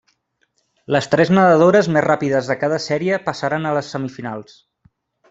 Les tres nedadores més ràpides de cada sèrie passaren a semifinals.